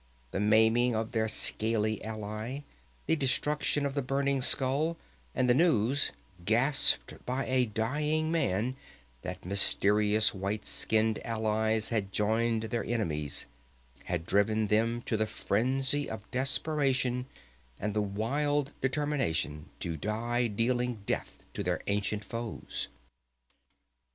The maiming of their scaly ally, the destruction of the Burning Skull, and the news, gasped by a dying man, that mysterious white skin allies had joined their enemies, had driven them to the frenzy of desperation and the wild determination to die dealing death to their ancient foes.